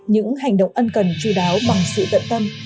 những hành động ân cần chú đáo bằng sự tận tâm